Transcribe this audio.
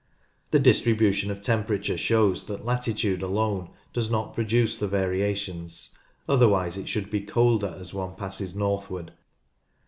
This distribution of temperature shows that latitude alone does not produce the variations, otherwise it should be colder as one passes northward.